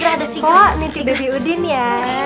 mimpi baby udin ya